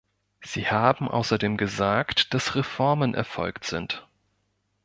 Sie haben außerdem gesagt, dass Reformen erfolgt sind.